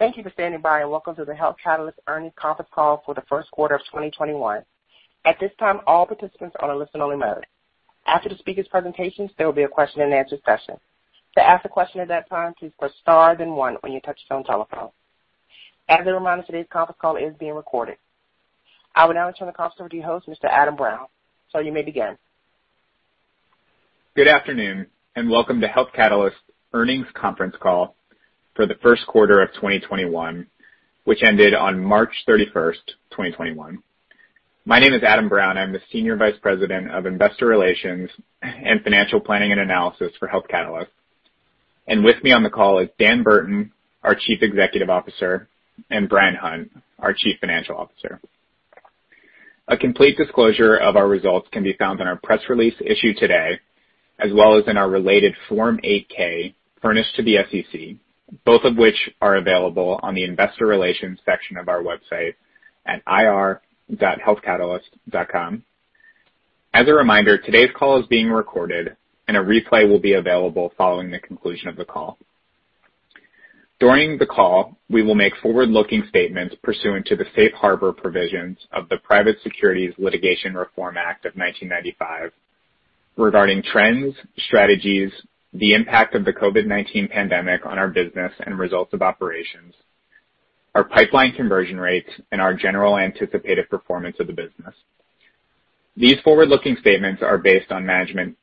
Thank you for standing by, and Welcome to the Health Catalyst earnings conference call for the first quarter of 2021. At this time, all participants are on a listen only mode. After the speakers' presentations, there will be a question and answer session. As a reminder, today's conference call is being recorded. I will now turn the conference over to your host, Mr. Adam Brown. Sir, you may begin. Good afternoon, Welcome to Health Catalyst's earnings conference call for the first quarter of 2021, which ended on March 31st, 2021. My name is Adam Brown. I'm the Senior Vice President of Investor Relations and Financial Planning and Analysis for Health Catalyst. With me on the call is Dan Burton, our Chief Executive Officer, and Bryan Hunt, our Chief Financial Officer. A complete disclosure of our results can be found in our press release issued today, as well as in our related Form 8-K furnished to the SEC, both of which are available on the investor relations section of our website at ir.healthcatalyst.com. As a reminder, today's call is being recorded, and a replay will be available following the conclusion of the call. During the call, we will make forward-looking statements pursuant to the Safe Harbor Provisions of the Private Securities Litigation Reform Act of 1995 regarding trends, strategies, the impact of the COVID-19 pandemic on our business and results of operations, our pipeline conversion rates, and our general anticipated performance of the business. These forward-looking statements are based on management's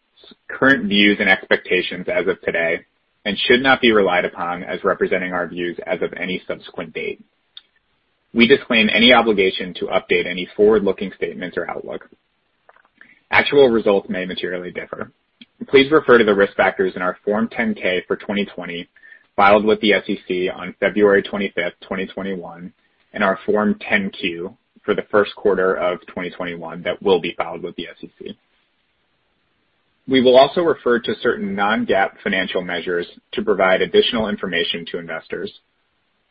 current views and expectations as of today and should not be relied upon as representing our views as of any subsequent date. We disclaim any obligation to update any forward-looking statements or outlook. Actual results may materially differ. Please refer to the risk factors in our Form 10-K for 2020, filed with the SEC on February 25th, 2021, and our Form 10-Q for the first quarter of 2021 that will be filed with the SEC. We will also refer to certain non-GAAP financial measures to provide additional information to investors.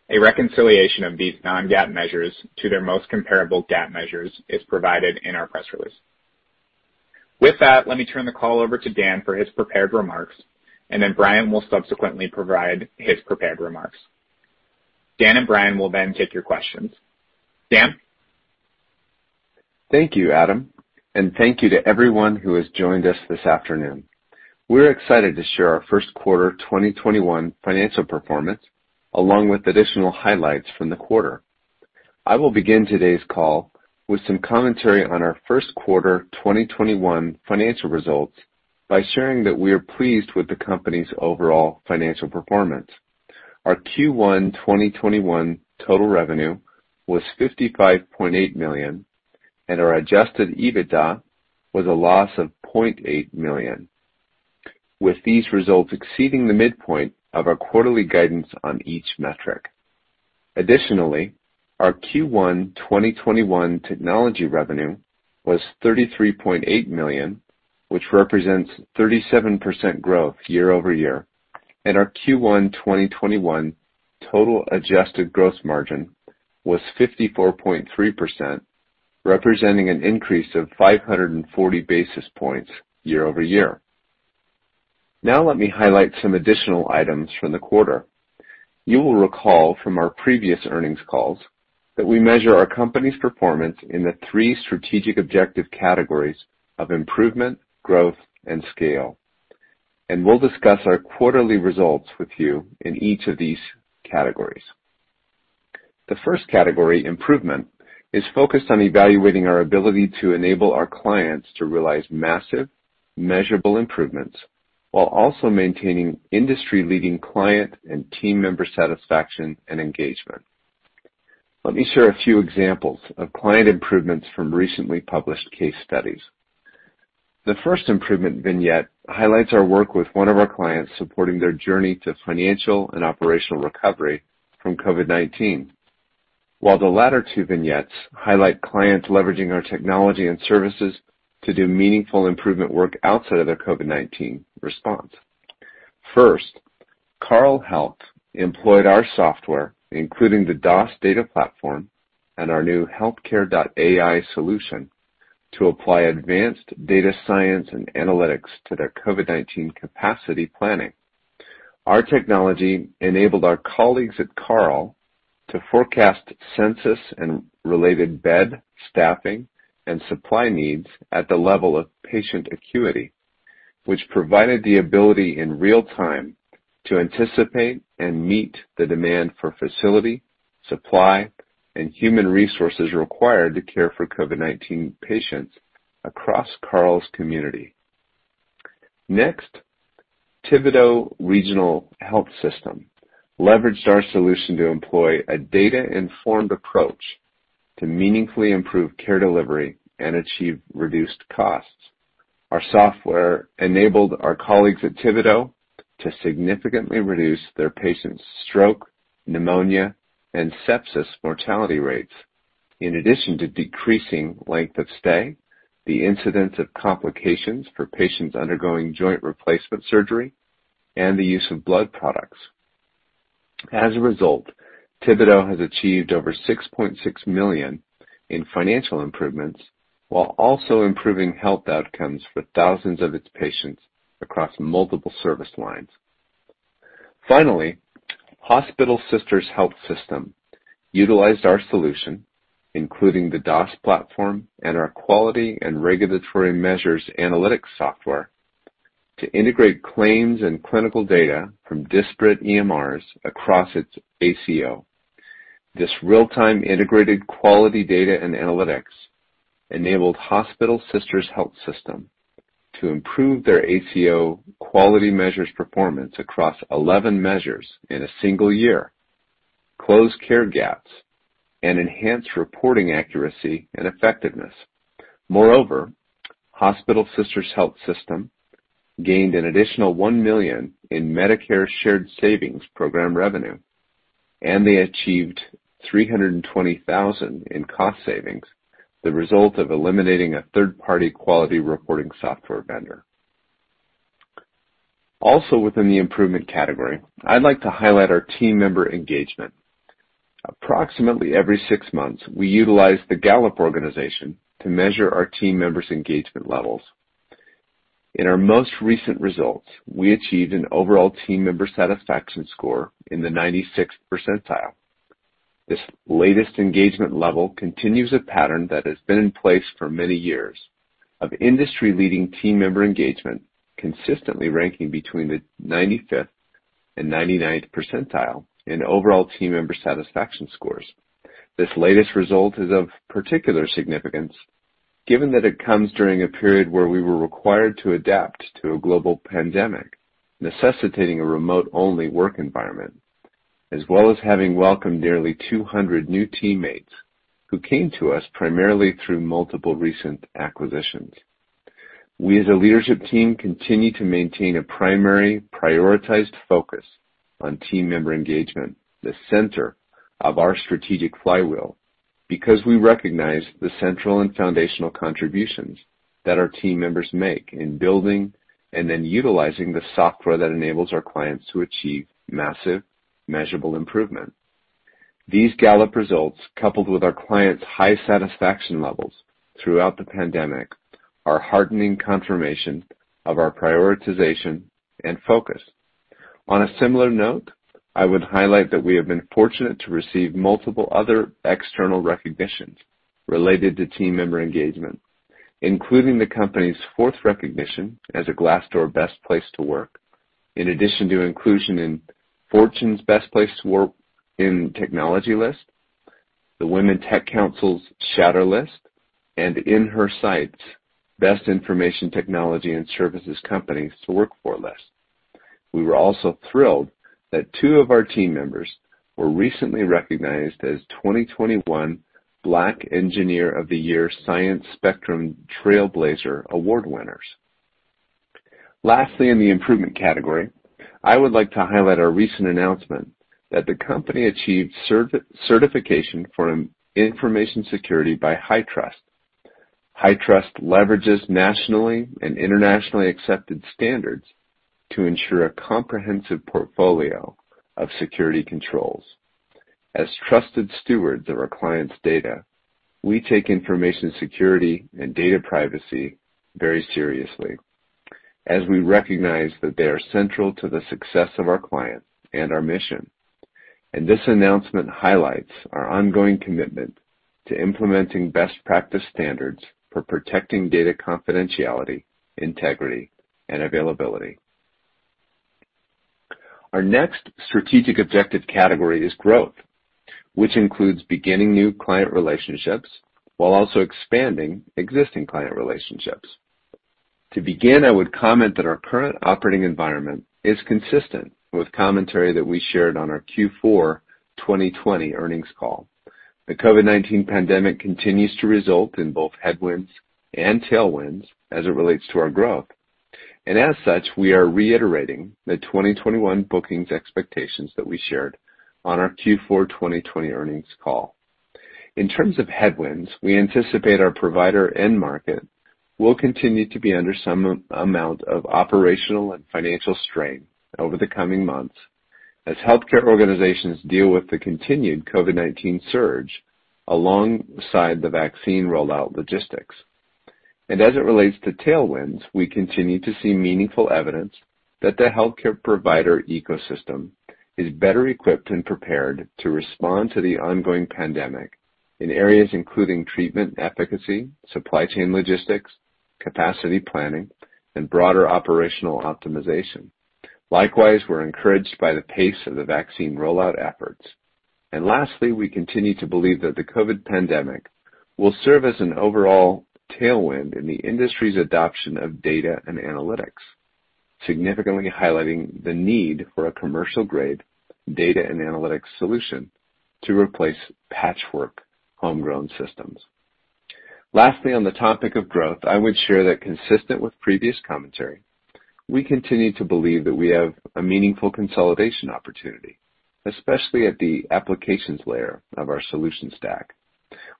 A reconciliation of these non-GAAP measures to their most comparable GAAP measures is provided in our press release. With that, let me turn the call over to Dan for his prepared remarks. Bryan will subsequently provide his prepared remarks. Dan and Bryan will take your questions. Dan? Thank you, Adam, and thank you to everyone who has joined us this afternoon. We're excited to share our first quarter 2021 financial performance, along with additional highlights from the quarter. I will begin today's call with some commentary on our first quarter 2021 financial results by sharing that we are pleased with the company's overall financial performance. Our Q1 2021 total revenue was $55.8 million, and our adjusted EBITDA was a loss of $0.8 million, with these results exceeding the midpoint of our quarterly guidance on each metric. Additionally, our Q1 2021 technology revenue was $33.8 million, which represents 37% growth year-over-year, and our Q1 2021 total adjusted gross margin was 54.3%, representing an increase of 540 basis points year-over-year. Now let me highlight some additional items from the quarter. You will recall from our previous earnings calls that we measure our company's performance in the three strategic objective categories of improvement, growth, and scale, and we'll discuss our quarterly results with you in each of these categories. The first category, improvement, is focused on evaluating our ability to enable our clients to realize massive, measurable improvements while also maintaining industry-leading client and team member satisfaction and engagement. Let me share a few examples of client improvements from recently published case studies. The first improvement vignette highlights our work with one of our clients supporting their journey to financial and operational recovery from COVID-19, while the latter two vignettes highlight clients leveraging our technology and services to do meaningful improvement work outside of their COVID-19 response. 1st, Carle Health employed our software, including the DOS data platform and our new Healthcare.AI solution, to apply advanced data science and analytics to their COVID-19 capacity planning. Our technology enabled our colleagues at Carle to forecast census and related bed, staffing, and supply needs at the level of patient acuity, which provided the ability in real time to anticipate and meet the demand for facility, supply, and human resources required to care for COVID-19 patients across Carle's community. Next, Thibodaux Regional Health System leveraged our solution to employ a data-informed approach to meaningfully improve care delivery and achieve reduced costs. Our software enabled our colleagues at Thibodaux to significantly reduce their patients' stroke, pneumonia, and sepsis mortality rates. In addition to decreasing length of stay, the incidence of complications for patients undergoing joint replacement surgery and the use of blood products, Thibodaux has achieved over $6.6 million in financial improvements while also improving health outcomes for thousands of its patients across multiple service lines. Hospital Sisters Health System utilized our solution, including the DOS platform and our quality and regulatory measures analytics software, to integrate claims and clinical data from disparate EMRs across its ACO. This real-time integrated quality data and analytics enabled Hospital Sisters Health System to improve their ACO quality measures performance across 11 measures in a single year, close care gaps, and enhance reporting accuracy and effectiveness. Hospital Sisters Health System gained an additional $1 million in Medicare shared savings program revenue, and they achieved $320,000 in cost savings, the result of eliminating a third-party quality reporting software vendor. Also within the improvement category, I'd like to highlight our team member engagement. Approximately every six months, we utilize Gallup to measure our team members' engagement levels. In our most recent results, we achieved an overall team member satisfaction score in the 96th percentile. This latest engagement level continues a pattern that has been in place for many years of industry-leading team member engagement, consistently ranking between the 95th and 99th percentile in overall team member satisfaction scores. This latest result is of particular significance given that it comes during a period where we were required to adapt to a global pandemic, necessitating a remote-only work environment, as well as having welcomed nearly 200 new teammates who came to us primarily through multiple recent acquisitions. We as a leadership team continue to maintain a primary prioritized focus on team member engagement, the center of our strategic flywheel, because we recognize the central and foundational contributions that our team members make in building and then utilizing the software that enables our clients to achieve massive measurable improvement. These Gallup results, coupled with our clients' high satisfaction levels throughout the pandemic, are heartening confirmation of our prioritization and focus. On a similar note, I would highlight that we have been fortunate to receive multiple other external recognitions related to team member engagement, including the company's fourth recognition as a Glassdoor Best Place to Work. In addition to inclusion in Fortune's Best Place to Work in Technology list, the Women Tech Council's Shatter list, and InHerSight's Best Information Technology and Services Companies to Work For list. We were also thrilled that two of our team members were recently recognized as 2021 Black Engineer of the Year Science Spectrum Trailblazer Award winners. In the improvement category, I would like to highlight our recent announcement that the company achieved certification for information security by HITRUST. HITRUST leverages nationally and internationally accepted standards to ensure a comprehensive portfolio of security controls. As trusted stewards of our clients' data, we take information security and data privacy very seriously, as we recognize that they are central to the success of our client and our mission. This announcement highlights our ongoing commitment to implementing best practice standards for protecting data confidentiality, integrity, and availability. Our next strategic objective category is growth, which includes beginning new client relationships while also expanding existing client relationships. To begin, I would comment that our current operating environment is consistent with commentary that we shared on our Q4 2020 earnings call. The COVID-19 pandemic continues to result in both headwinds and tailwinds as it relates to our growth. As such, we are reiterating the 2021 bookings expectations that we shared on our Q4 2020 earnings call. In terms of headwinds, we anticipate our provider end market will continue to be under some amount of operational and financial strain over the coming months as healthcare organizations deal with the continued COVID-19 surge alongside the vaccine rollout logistics. As it relates to tailwinds, we continue to see meaningful evidence that the healthcare provider ecosystem is better equipped and prepared to respond to the ongoing pandemic in areas including treatment efficacy, supply chain logistics, capacity planning, and broader operational optimization. Likewise, we're encouraged by the pace of the vaccine rollout efforts. Lastly, we continue to believe that the COVID-19 pandemic will serve as an overall tailwind in the industry's adoption of data and analytics, significantly highlighting the need for a commercial-grade data and analytics solution to replace patchwork homegrown systems. Lastly, on the topic of growth, I would share that consistent with previous commentary, we continue to believe that we have a meaningful consolidation opportunity, especially at the applications layer of our solution stack.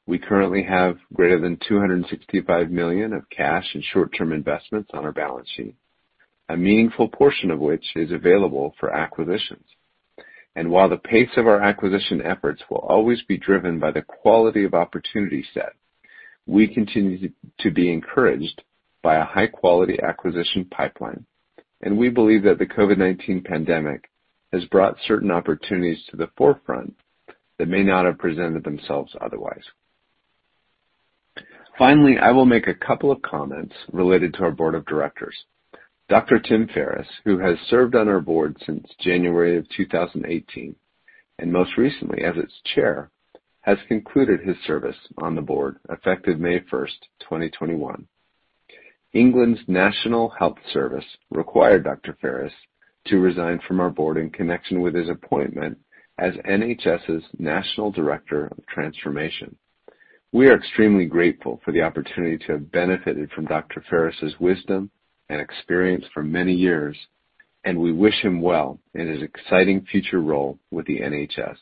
We currently have greater than $265 million of cash and short-term investments on our balance sheet, a meaningful portion of which is available for acquisitions. While the pace of our acquisition efforts will always be driven by the quality of opportunity set, we continue to be encouraged by a high-quality acquisition pipeline, we believe that the COVID-19 pandemic has brought certain opportunities to the forefront that may not have presented themselves otherwise. Finally, I will make a couple of comments related to our board of directors. Dr. Tim Ferris, who has served on our board since January of 2018, and most recently as its chair, has concluded his service on the board effective May 1st, 2021. England's National Health Service required Dr. Ferris to resign from our board in connection with his appointment as NHS's National Director of Transformation. We are extremely grateful for the opportunity to have benefited from Dr. Ferris's wisdom and experience for many years, and we wish him well in his exciting future role with the NHS.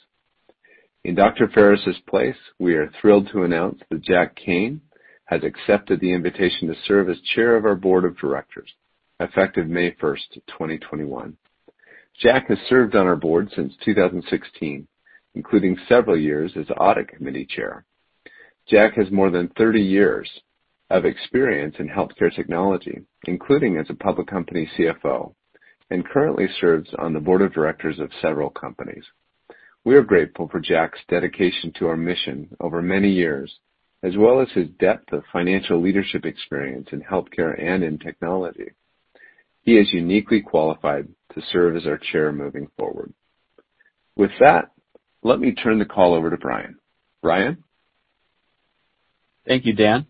In Dr. Ferris's place, we are thrilled to announce that Jack Kane has accepted the invitation to serve as chair of our board of directors effective May 1st, 2021. Jack has served on our board since 2016, including several years as audit committee chair. Jack has more than 30 years of experience in healthcare technology, including as a public company CFO, and currently serves on the board of directors of several companies. We are grateful for Jack's dedication to our mission over many years, as well as his depth of financial leadership experience in healthcare and in technology. He is uniquely qualified to serve as our chair moving forward. With that, let me turn the call over to Bryan. Bryan? Thank you, Dan.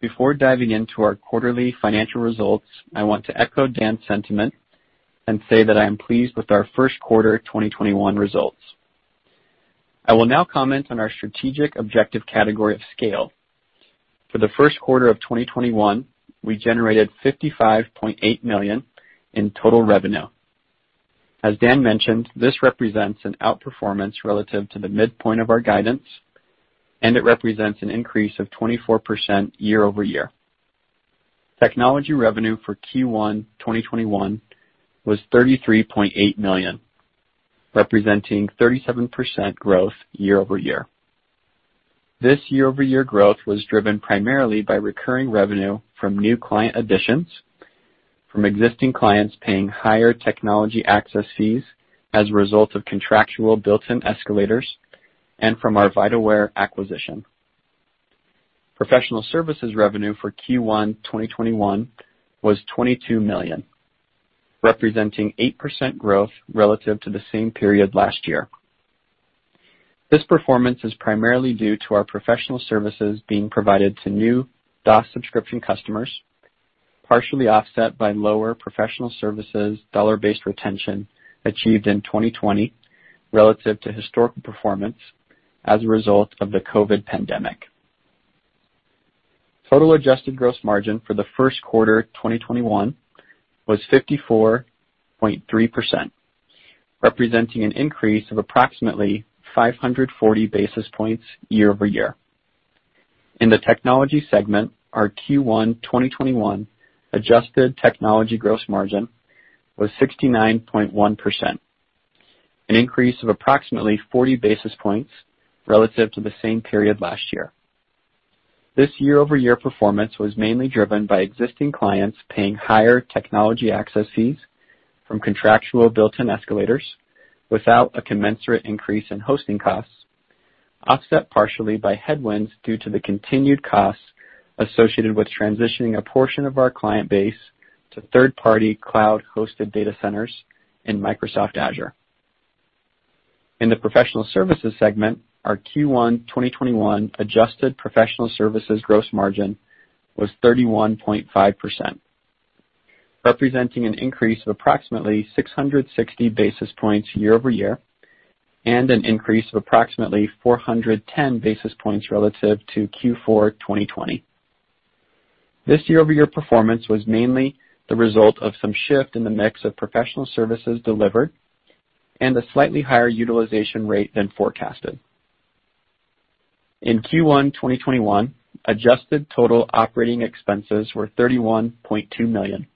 Before diving into our quarterly financial results, I want to echo Dan's sentiment and say that I am pleased with our first quarter 2021 results. I will now comment on our strategic objective category of scale. For the first quarter of 2021, we generated $55.8 million in total revenue. As Dan mentioned, this represents an outperformance relative to the midpoint of our guidance, and it represents an increase of 24% year-over-year. Technology revenue for Q1 2021 was $33.8 million, representing 37% growth year-over-year. This year-over-year growth was driven primarily by recurring revenue from new client additions, from existing clients paying higher technology access fees as a result of contractual built-in escalators, and from our Vitalware acquisition. Professional services revenue for Q1 2021 was $22 million, representing 8% growth relative to the same period last year. This performance is primarily due to our professional services being provided to new DOS subscription customers, partially offset by lower professional services dollar-based retention achieved in 2020 relative to historical performance as a result of the COVID pandemic. Total adjusted gross margin for the first quarter 2021 was 54.3%, representing an increase of approximately 540 basis points year-over-year. In the technology segment, our Q1 2021 adjusted technology gross margin was 69.1%, an increase of approximately 40 basis points relative to the same period last year. This year-over-year performance was mainly driven by existing clients paying higher technology access fees from contractual built-in escalators without a commensurate increase in hosting costs, offset partially by headwinds due to the continued costs associated with transitioning a portion of our client base to third-party cloud-hosted data centers in Microsoft Azure. In the professional services segment, our Q1 2021 adjusted professional services gross margin was 31.5%, representing an increase of approximately 660 basis points year-over-year and an increase of approximately 410 basis points relative to Q4 2020. This year-over-year performance was mainly the result of some shift in the mix of professional services delivered and a slightly higher utilization rate than forecasted. In Q1 2021, adjusted total operating expenses were $31.2 million.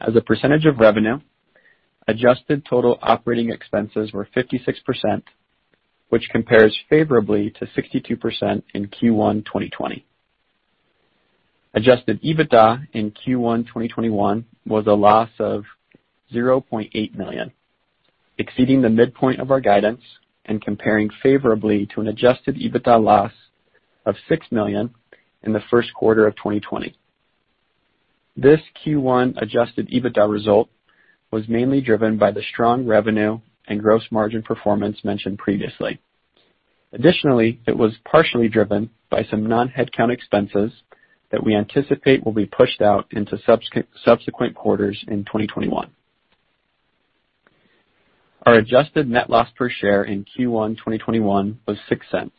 As a percentage of revenue, adjusted total operating expenses were 56%, which compares favorably to 62% in Q1 2020. Adjusted EBITDA in Q1 2021 was a loss of $0.8 million, exceeding the midpoint of our guidance and comparing favorably to an adjusted EBITDA loss of $6 million in the first quarter of 2020. This Q1 adjusted EBITDA result was mainly driven by the strong revenue and gross margin performance mentioned previously. It was partially driven by some non-headcount expenses that we anticipate will be pushed out into subsequent quarters in 2021. Our adjusted net loss per share in Q1 2021 was $0.06.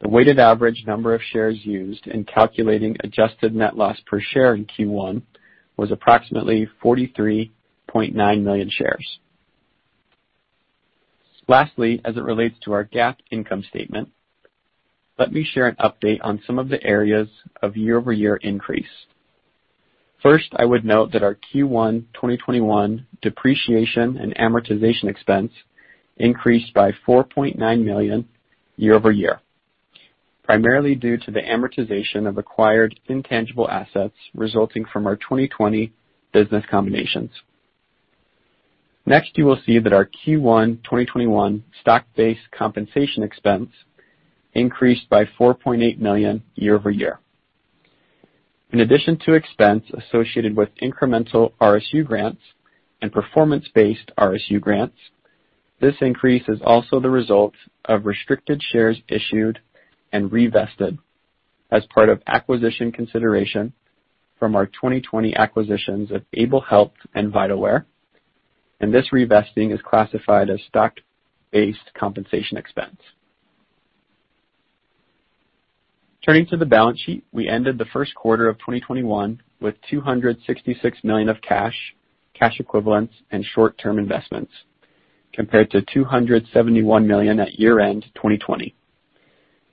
The weighted average number of shares used in calculating adjusted net loss per share in Q1 was approximately 43.9 million shares. As it relates to our GAAP income statement, let me share an update on some of the areas of year-over-year increase. 1st, I would note that our Q1 2021 depreciation and amortization expense increased by $4.9 million year-over-year, primarily due to the amortization of acquired intangible assets resulting from our 2020 business combinations. Next, you will see that our Q1 2021 stock-based compensation expense increased by $4.8 million year-over-year. In addition to expense associated with incremental RSU grants and performance-based RSU grants, this increase is also the result of restricted shares issued and re-vested as part of acquisition consideration from our 2020 acquisitions of Able Health and Vitalware, and this re-vesting is classified as stock-based compensation expense. Turning to the balance sheet, we ended the first quarter of 2021 with $266 million of cash equivalents, and short-term investments, compared to $271 million at year-end 2020.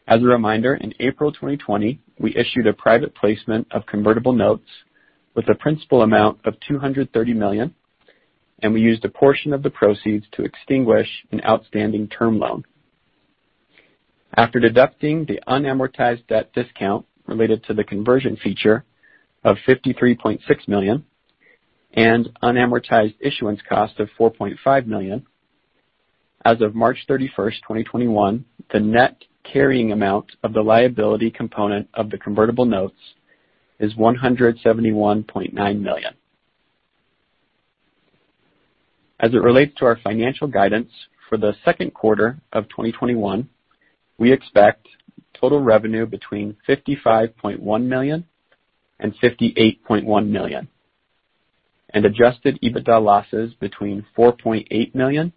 As a reminder, in April 2020, we issued a private placement of convertible notes with a principal amount of $230 million, and we used a portion of the proceeds to extinguish an outstanding term loan. After deducting the unamortized debt discount related to the conversion feature of $53.6 million and unamortized issuance cost of $4.5 million, as of March 31st, 2021, the net carrying amount of the liability component of the convertible notes is $171.9 million. As it relates to our financial guidance for the second quarter of 2021, we expect total revenue between $55.1 million and $58.1 million, and adjusted EBITDA losses between $4.8 million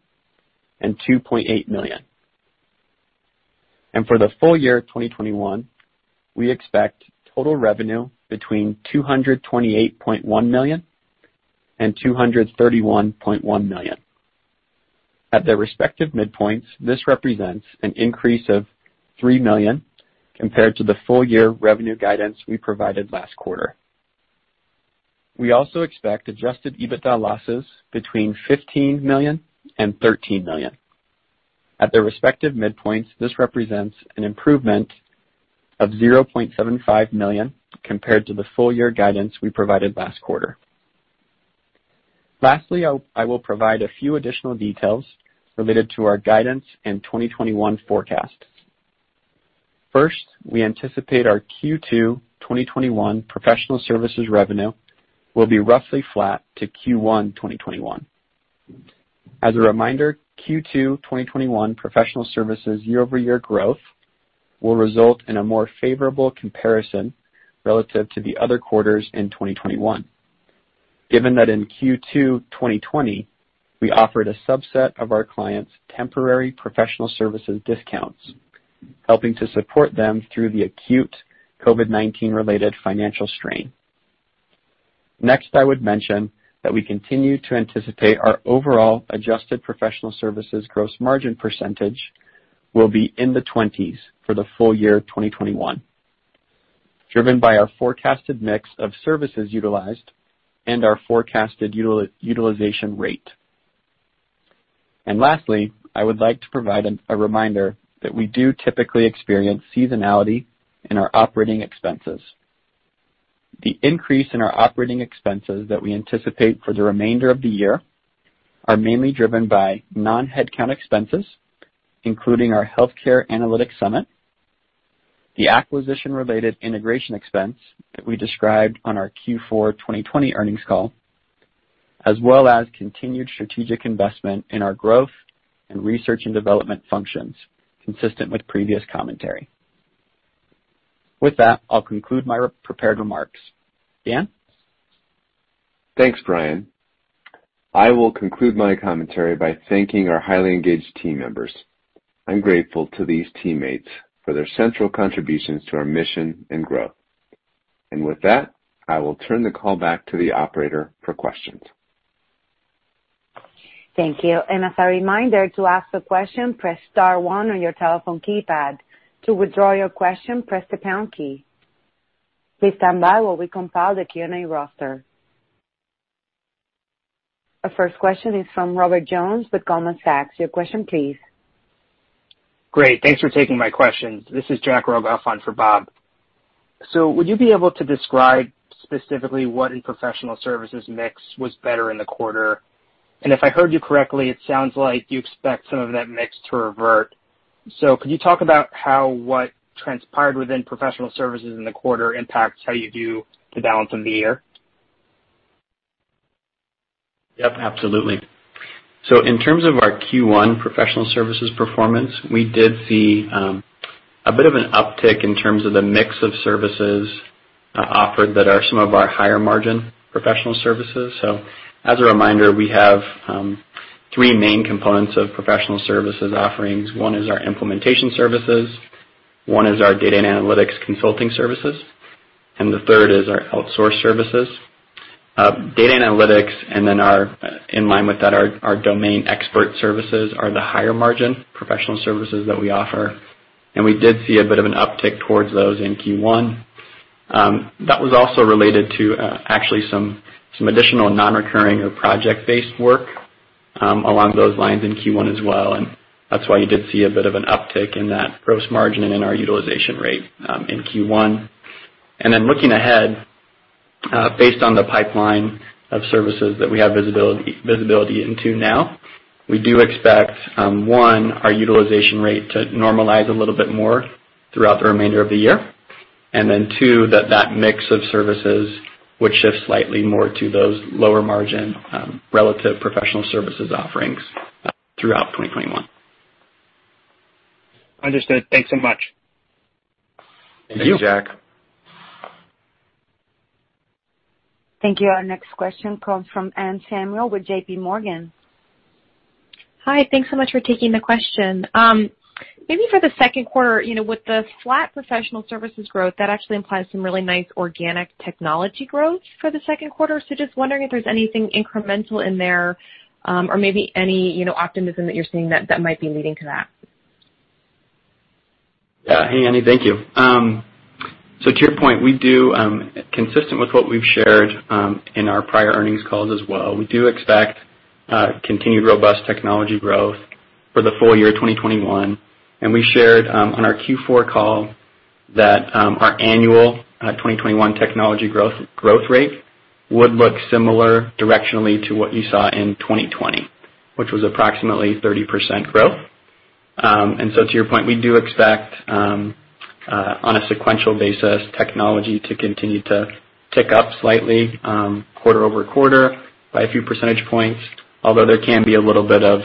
and $2.8 million. For the full year 2021, we expect total revenue between $228.1 million and $231.1 million. At their respective midpoints, this represents an increase of $3 million compared to the full year revenue guidance we provided last quarter. We also expect adjusted EBITDA losses between $15 million and $13 million. At their respective midpoints, this represents an improvement of $0.75 million compared to the full year guidance we provided last quarter. Lastly, I will provide a few additional details related to our guidance in 2021 forecasts. 1st, we anticipate our Q2 2021 professional services revenue will be roughly flat to Q1 2021. As a reminder, Q2 2021 professional services year-over-year growth will result in a more favorable comparison relative to the other quarters in 2021. Given that in Q2 2020, we offered a subset of our clients temporary professional services discounts, helping to support them through the acute COVID-19 related financial strain. Next, I would mention that we continue to anticipate our overall adjusted professional services gross margin percentage will be in the 20s for the full year 2021, driven by our forecasted mix of services utilized and our forecasted utilization rate. Lastly, I would like to provide a reminder that we do typically experience seasonality in our operating expenses. The increase in our operating expenses that we anticipate for the remainder of the year are mainly driven by non-headcount expenses, including our Healthcare Analytics Summit, the acquisition-related integration expense that we described on our Q4 2020 earnings call, as well as continued strategic investment in our growth and research and development functions, consistent with previous commentary. With that, I'll conclude my prepared remarks. Dan? Thanks, Bryan. I will conclude my commentary by thanking our highly engaged team members. I'm grateful to these teammates for their central contributions to our mission and growth. With that, I will turn the call back to the operator for questions. Thank you. As a reminder, to ask a question, press star one on your telephone keypad. To withdraw your question, press the pound key. Please stand by while we compile the Q&A roster. Our first question is from Robert Jones with Goldman Sachs. Your question please. Great. Thanks for taking my questions. This is Jack Rogoff, phone for Bob. Would you be able to describe specifically what in professional services mix was better in the quarter? If I heard you correctly, it sounds like you expect some of that mix to revert. Could you talk about how what transpired within professional services in the quarter impacts how you do the balance in the year? Yep, absolutely. In terms of our Q1 professional services performance, we did see a bit of an uptick in terms of the mix of services offered that are some of our higher margin professional services. As a reminder, we have three main components of professional services offerings. One is our implementation services, one is our data and analytics consulting services. And the third is our outsourced services. Data analytics, and then in line with that, our domain expert services are the higher margin professional services that we offer. We did see a bit of an uptick towards those in Q1. That was also related to actually some additional non-recurring or project-based work along those lines in Q1 as well, and that's why you did see a bit of an uptick in that gross margin and in our utilization rate in Q1. Looking ahead, based on the pipeline of services that we have visibility into now, we do expect, one, our utilization rate to normalize a little bit more throughout the remainder of the year. Two, that mix of services would shift slightly more to those lower margin relative professional services offerings throughout 2021. Understood. Thanks so much. Thank you. Thank you, Jack. Thank you. Our next question comes from Anne Samuel with JPMorgan. Hi. Thanks so much for taking the question. Maybe for the second quarter, with the flat professional services growth, that actually implies some really nice organic technology growth for the second quarter. Just wondering if there's anything incremental in there or maybe any optimism that you're seeing that might be leading to that. Yeah. Hey, Anne. Thank you. To your point, consistent with what we've shared in our prior earnings calls as well, we do expect continued robust technology growth for the full year 2021. We shared on our Q4 call that our annual 2021 technology growth rate would look similar directionally to what you saw in 2020, which was approximately 30% growth. To your point, we do expect, on a sequential basis, technology to continue to tick up slightly quarter-over-quarter by a few percentage points. Although there can be a little bit of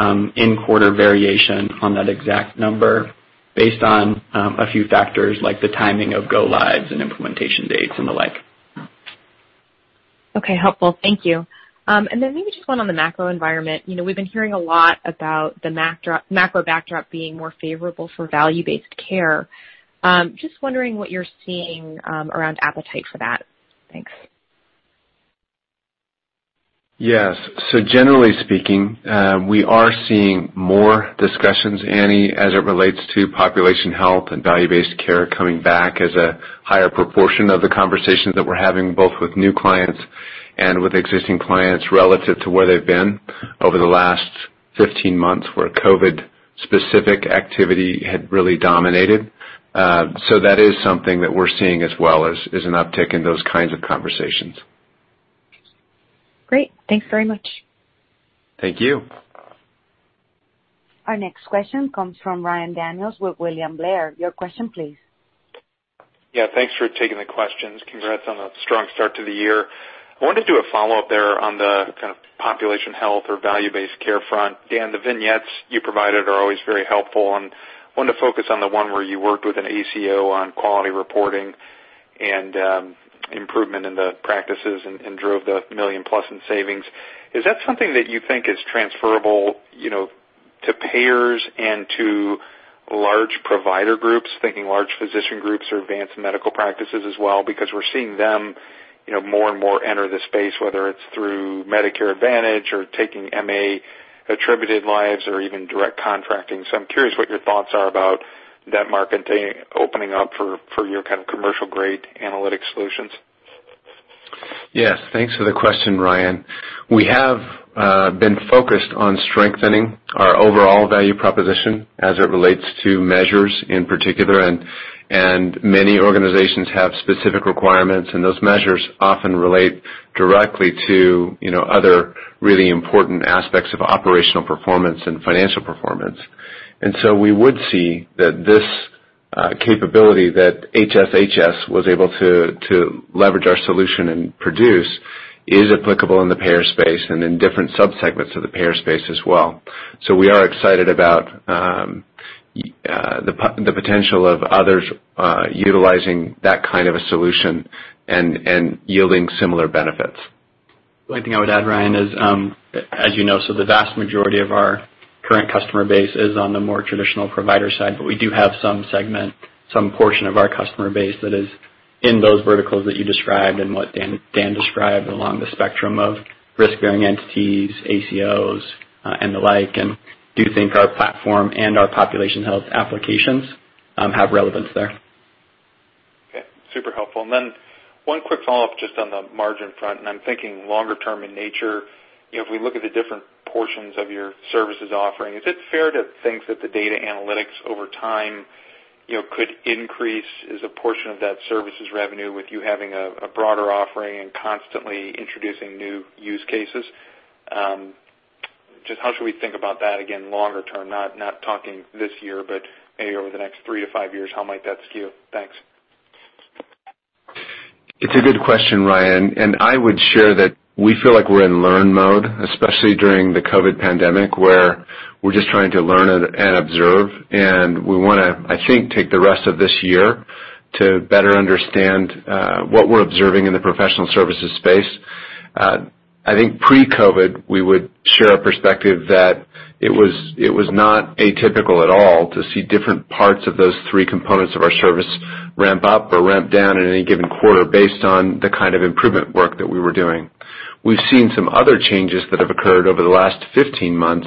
in-quarter variation on that exact number based on a few factors like the timing of go lives and implementation dates and the like. Okay. Helpful. Thank you. Maybe just one on the macro environment. We've been hearing a lot about the macro backdrop being more favorable for value-based care. Just wondering what you're seeing around appetite for that? Thanks. Yes. Generally speaking, we are seeing more discussions, Annie, as it relates to population health and value-based care coming back as a higher proportion of the conversations that we're having, both with new clients and with existing clients, relative to where they've been over the last 15 months, where COVID-specific activity had really dominated. That is something that we're seeing as well, is an uptick in those kinds of conversations. Great. Thanks very much. Thank you. Our next question comes from Ryan Daniels with William Blair. Your question, please. Yeah, thanks for taking the questions. Congrats on the strong start to the year. I wanted to do a follow-up there on the population health or value-based care front. Dan, the vignettes you provided are always very helpful, and wanted to focus on the one where you worked with an ACO on quality reporting and improvement in the practices and drove the $1 million-plus in savings. Is that something that you think is transferable to payers and to large provider groups, thinking large physician groups or advanced medical practices as well? We're seeing them more and more enter the space, whether it's through Medicare Advantage or taking MA-attributed lives or even direct contracting. I'm curious what your thoughts are about that market opening up for your commercial-grade analytic solutions. Yes. Thanks for the question, Ryan. We have been focused on strengthening our overall value proposition as it relates to measures in particular. Many organizations have specific requirements, and those measures often relate directly to other really important aspects of operational performance and financial performance. We would see that this capability that HSHS was able to leverage our solution and produce is applicable in the payer space and in different subsegments of the payer space as well. We are excited about the potential of others utilizing that kind of a solution and yielding similar benefits. One thing I would add, Ryan, is as you know, the vast majority of our current customer base is on the more traditional provider side, but we do have some segment, some portion of our customer base that is in those verticals that you described and what Dan described along the spectrum of risk-bearing entities, ACOs, and the like, and do think our platform and our population health applications have relevance there. Okay. Super helpful. One quick follow-up just on the margin front, and I'm thinking longer term in nature. If we look at the different portions of your services offering, is it fair to think that the data analytics over time could increase as a portion of that services revenue with you having a broader offering and constantly introducing new use cases? Just how should we think about that, again, longer term, not talking this year, but maybe over the next three to five years, how might that skew? Thanks. It's a good question, Ryan. I would share that we feel like we're in learn mode, especially during the COVID pandemic, where we're just trying to learn and observe, and we want to, I think, take the rest of this year to better understand what we're observing in the professional services space. I think pre-COVID, we would share a perspective that it was not atypical at all to see different parts of those three components of our service ramp up or ramp down at any given quarter based on the kind of improvement work that we were doing. We've seen some other changes that have occurred over the last 15 months.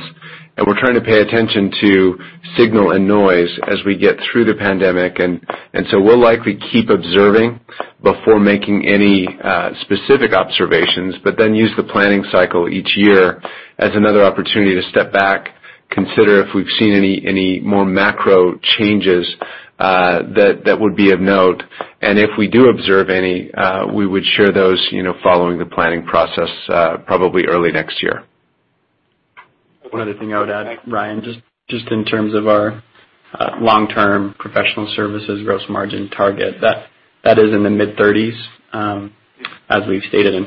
We're trying to pay attention to signal and noise as we get through the pandemic. We'll likely keep observing before making any specific observations. We use the planning cycle each year as another opportunity to step back, consider if we've seen any more macro changes that would be of note. If we do observe any, we would share those following the planning process, probably early next year. One other thing I would add, Ryan, just in terms of our long-term professional services gross margin target, that is in the mid-30s, as we've stated.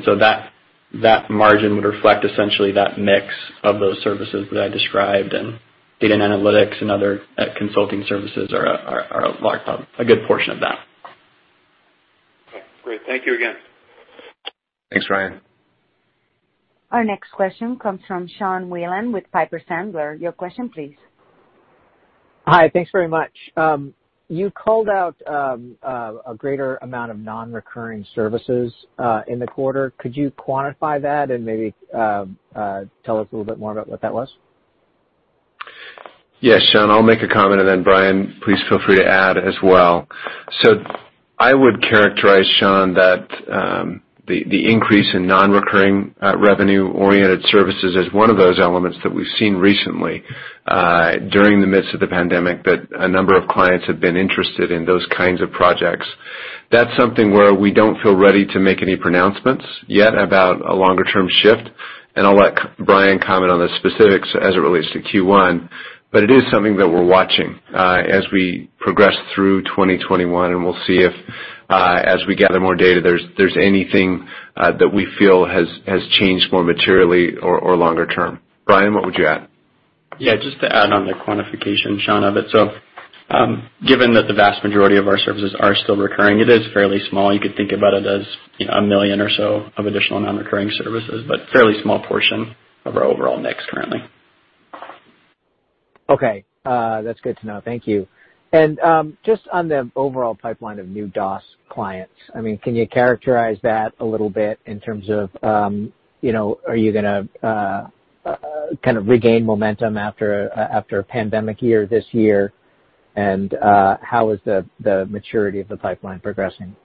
That margin would reflect essentially that mix of those services that I described in data and analytics and other consulting services are a good portion of that. Okay, great. Thank you again. Thanks, Ryan. Our next question comes from Sean Wieland with Piper Sandler. Your question please. Hi. Thanks very much. You called out a greater amount of non-recurring services in the quarter. Could you quantify that and maybe tell us a little bit more about what that was? Yes, Sean, I'll make a comment and then Bryan, please feel free to add as well. I would characterize, Sean, that the increase in non-recurring revenue-oriented services is one of those elements that we've seen recently during the midst of the pandemic that a number of clients have been interested in those kinds of projects. That's something where we don't feel ready to make any pronouncements yet about a longer-term shift, and I'll let Bryan comment on the specifics as it relates to Q1. It is something that we're watching as we progress through 2021, and we'll see if as we gather more data, there's anything that we feel has changed more materially or longer term. Bryan, what would you add? Yeah, just to add on the quantification, Sean, of it. Given that the vast majority of our services are still recurring, it is fairly small. You could think about it as $1 million or so of additional non-recurring services, but fairly small portion of our overall mix currently. Okay. That's good to know. Thank you. Just on the overall pipeline of new DOS clients, can you characterize that a little bit in terms of are you going to kind of regain momentum after a pandemic year this year? How is the maturity of the pipeline progressing?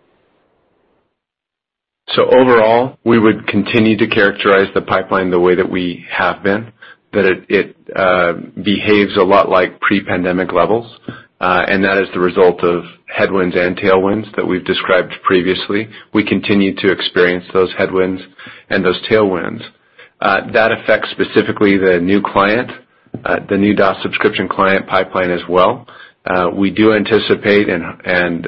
Overall, we would continue to characterize the pipeline the way that we have been, that it behaves a lot like pre-pandemic levels. That is the result of headwinds and tailwinds that we've described previously. We continue to experience those headwinds and those tailwinds. That affects specifically the new client, the new DOS subscription client pipeline as well. We do anticipate and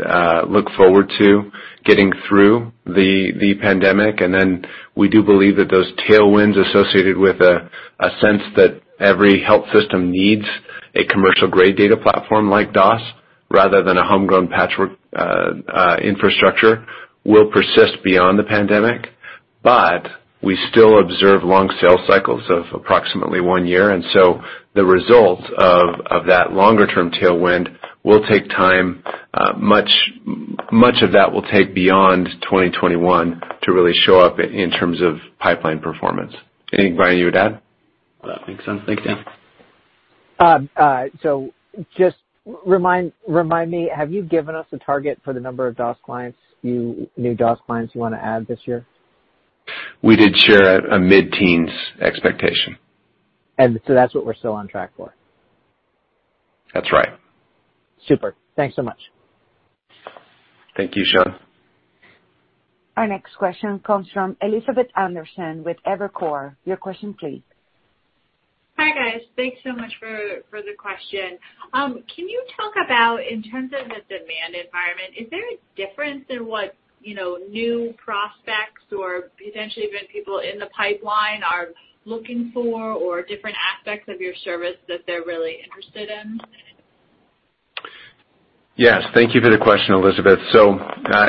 look forward to getting through the pandemic, and then we do believe that those tailwinds associated with a sense that every health system needs a commercial-grade data platform like DOS rather than a homegrown patchwork infrastructure will persist beyond the pandemic. We still observe long sales cycles of approximately one year, and so the result of that longer-term tailwind will take time. Much of that will take beyond 2021 to really show up in terms of pipeline performance. Anything, Bryan, you would add? No, that makes sense. Thank you. Just remind me, have you given us a target for the number of new DOS clients you want to add this year? We did share a mid-teens expectation. That's what we're still on track for? That's right. Super. Thanks so much. Thank you, Sean. Our next question comes from Elizabeth Anderson with Evercore. Your question, please. Hi, guys. Thanks so much for the question. Can you talk about in terms of the demand environment, is there a difference in what new prospects or potentially even people in the pipeline are looking for or different aspects of your service that they're really interested in? Thank you for the question, Elizabeth.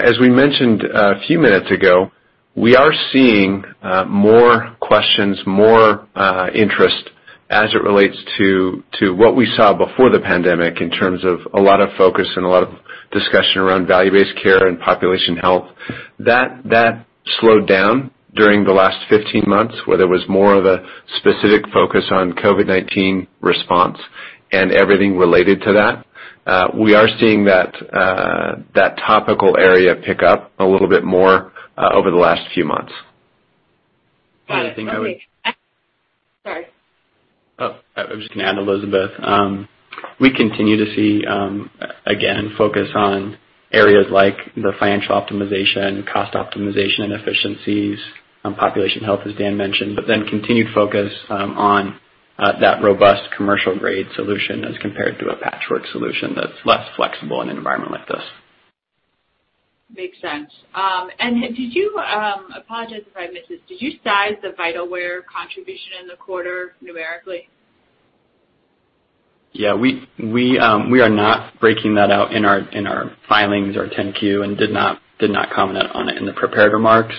As we mentioned a few minutes ago, we are seeing more questions, more interest as it relates to what we saw before the pandemic in terms of a lot of focus and a lot of discussion around value-based care and population health. That slowed down during the last 15 months, where there was more of a specific focus on COVID-19 response and everything related to that. We are seeing that topical area pick up a little bit more over the last few months. The only thing I would- Okay. Sorry. I was just going to add, Elizabeth, we continue to see again focus on areas like the financial optimization, cost optimization and efficiencies on population health, as Dan mentioned, but then continued focus on that robust commercial-grade solution as compared to a patchwork solution that's less flexible in an environment like this. Makes sense. Did you, apologize if I missed this, did you size the Vitalware contribution in the quarter numerically? Yeah, we are not breaking that out in our filings, our 10-Q, and did not comment on it in the prepared remarks.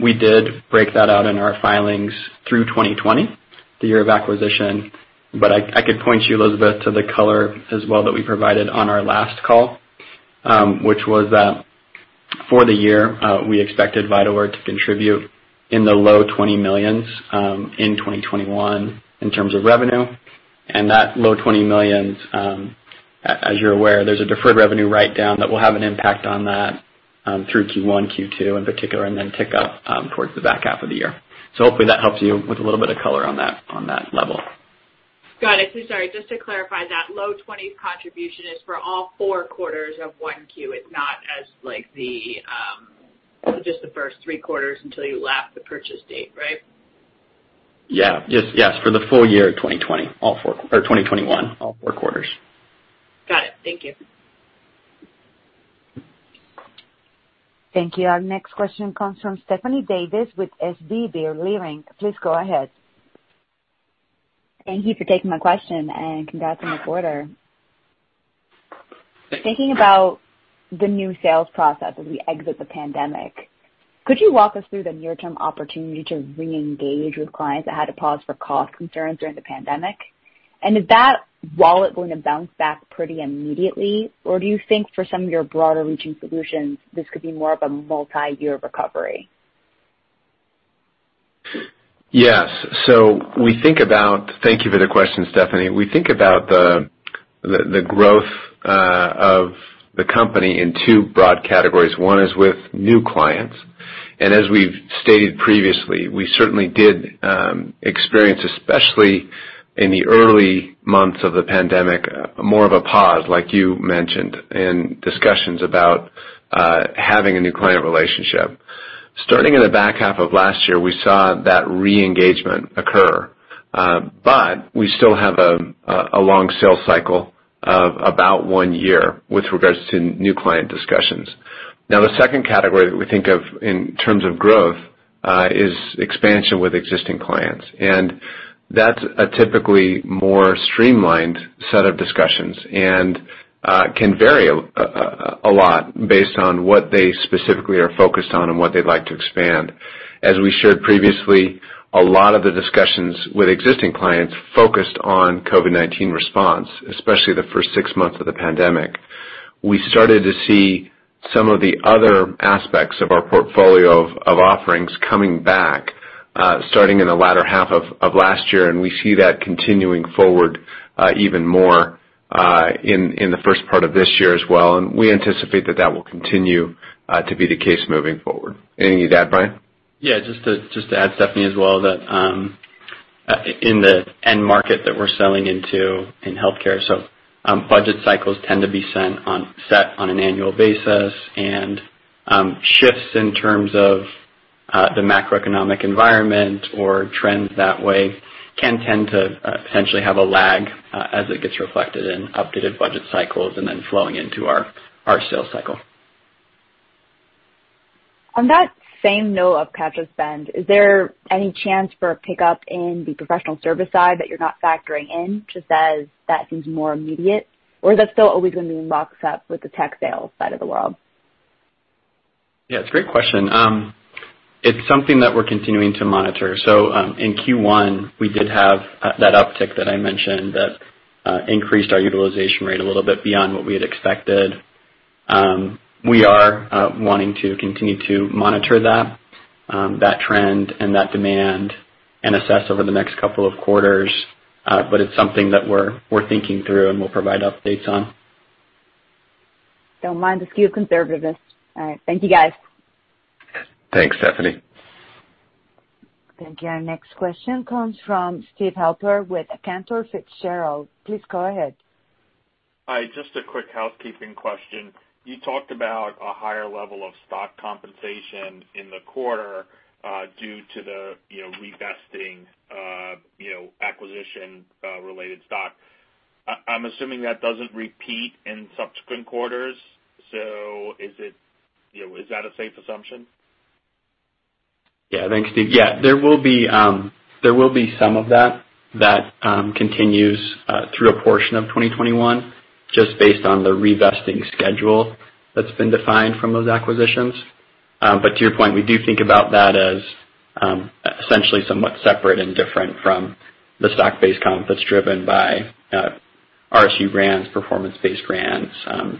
We did break that out in our filings through 2020, the year of acquisition. I could point you, Elizabeth, to the color as well that we provided on our last call, which was that for the year, we expected Vitalware to contribute in the low $20 million in 2021 in terms of revenue. That low $20 million, as you're aware, there's a deferred revenue write-down that will have an impact on that through Q1, Q2 in particular, and then pick up towards the back half of the year. Hopefully that helps you with a little bit of color on that level. Got it. Sorry, just to clarify, that low 20 contribution is for all four quarters of 1Q. It's not as just the first three quarters until you lap the purchase date, right? Yes. For the full year 2021, all four quarters. Got it. Thank you. Thank you. Our next question comes from Stephanie Davis with SVB Leerink. Please go ahead. Thank you for taking my question and congrats on the quarter. Thinking about the new sales process as we exit the pandemic, could you walk us through the near-term opportunity to reengage with clients that had to pause for cost concerns during the pandemic? Is that wallet going to bounce back pretty immediately, or do you think for some of your broader-reaching solutions, this could be more of a multi-year recovery? Thank you for the question, Stephanie. We think about the growth of the company in two broad categories. One is with new clients, and as we've stated previously, we certainly did experience, especially in the early months of the pandemic, more of a pause, like you mentioned, in discussions about having a new client relationship. Starting in the back half of last year, we saw that re-engagement occur. We still have a long sales cycle of about one year with regards to new client discussions. Now, the second category that we think of in terms of growth is expansion with existing clients. That's a typically more streamlined set of discussions and can vary a lot based on what they specifically are focused on and what they'd like to expand. As we shared previously, a lot of the discussions with existing clients focused on COVID-19 response, especially the first six months of the pandemic. We started to see some of the other aspects of our portfolio of offerings coming back starting in the latter half of last year. We see that continuing forward even more in the first part of this year as well. We anticipate that will continue to be the case moving forward. Anything to add, Bryan? Yeah, just to add, Stephanie, as well, that in the end market that we're selling into in healthcare, budget cycles tend to be set on an annual basis. Shifts in terms of the macroeconomic environment or trends that way can tend to potentially have a lag as it gets reflected in updated budget cycles and then flowing into our sales cycle. On that same note of capture spend, is there any chance for a pickup in the professional service side that you're not factoring in just as that seems more immediate? Or is that still always going to be boxed up with the tech sales side of the world? It's a great question. It's something that we're continuing to monitor. In Q1, we did have that uptick that I mentioned that increased our utilization rate a little bit beyond what we had expected. We are wanting to continue to monitor that trend and that demand and assess over the next couple of quarters. It's something that we're thinking through and we'll provide updates on. Don't mind a few conservatives. All right. Thank you, guys. Thanks, Stephanie. Thank you. Our next question comes from Steve Halper with Cantor Fitzgerald. Please go ahead. Hi, just a quick housekeeping question. You talked about a higher level of stock compensation in the quarter due to the revesting acquisition-related stock. I'm assuming that doesn't repeat in subsequent quarters. Is that a safe assumption? Yeah, thanks, Steve. There will be some of that that continues through a portion of 2021 just based on the revesting schedule that's been defined from those acquisitions. To your point, we do think about that as essentially somewhat separate and different from the stock-based comp that's driven by RSU grants, performance-based grants,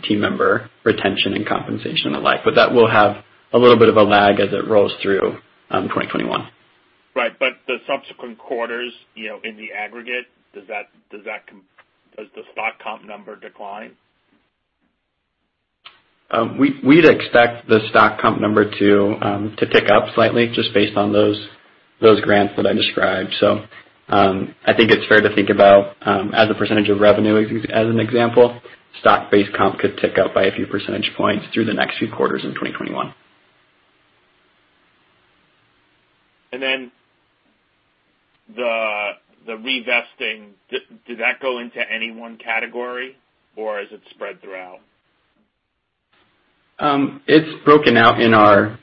team member retention and compensation and the like. That will have a little bit of a lag as it rolls through 2021. Right. The subsequent quarters in the aggregate, does the stock comp number decline? We'd expect the stock comp number to tick up slightly just based on those grants that I described. I think it's fair to think about as a percentage of revenue, as an example, stock-based comp could tick up by a few percentage points through the next few quarters in 2021. Then the revesting, did that go into any one category or is it spread throughout? It's broken out in our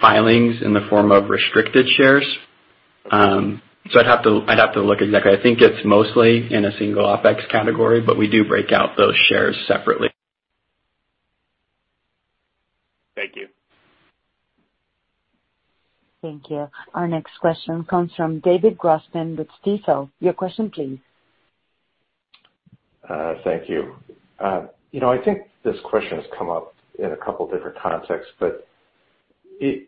filings in the form of restricted shares. I'd have to look exactly. I think it's mostly in a single OpEx category, but we do break out those shares separately. Thank you. Thank you. Our next question comes from David Grossman with Stifel. Your question, please. Thank you. I think this question has come up in a couple different contexts, but is